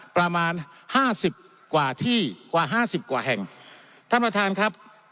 ประมาณห้าสิบกว่าที่กว่าห้าสิบกว่าแห่งท่านประธานครับ